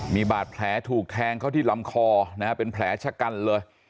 มีบาดแผลถูกแทงเข้าที่ลำคอนะฮะเป็นแผลชะกันเลย